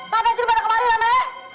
pak fajri mana kemarin lamanya